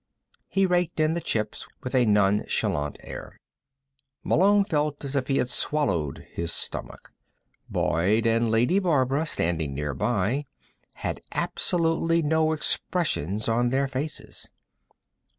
He raked in the chips with a nonchalant air. Malone felt as if he had swallowed his stomach. Boyd and Lady Barbara, standing nearby, had absolutely no expressions on their faces.